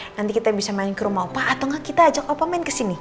nanti kita bisa main ke rumah opa atau enggak kita ajak opa main ke sini